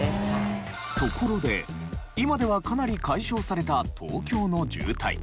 ところで今ではかなり解消された東京の渋滞。